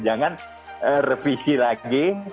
jangan revisi lagi